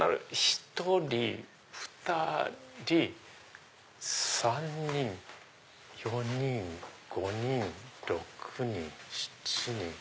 １人２人３人４人５人６人７人。